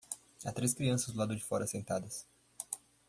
Há três crianças do lado de fora sentadas.